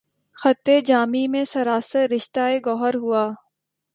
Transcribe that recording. خطِ جامِ مے سراسر، رشتہٴ گوہر ہوا